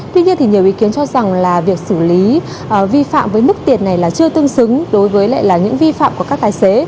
tuy nhiên thì nhiều ý kiến cho rằng là việc xử lý vi phạm với mức tiền này là chưa tương xứng đối với lại là những vi phạm của các tài xế